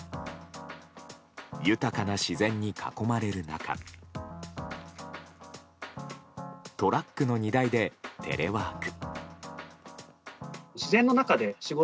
豊かな自然に囲まれる中トラックの荷台でテレワーク。